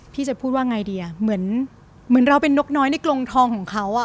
พี่จะพูดว่าไงดีอะเหมือนเราเป็นนกน้อยในกลงทองของเขาอะ